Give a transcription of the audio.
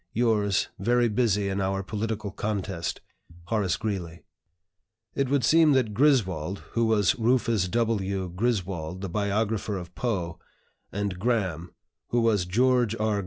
"Yours, very busy in our political contest, "HORACE GREELEY." It would seem that "Griswold" (who was Rufus W. Griswold, the biographer of Poe) and "Graham" (who was George R.